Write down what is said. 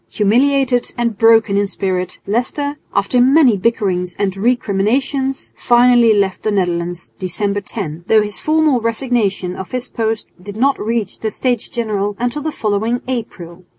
Humiliated and broken in spirit, Leicester, after many bickerings and recriminations, finally left the Netherlands (December 10), though his formal resignation of his post did not reach the States General until the following April.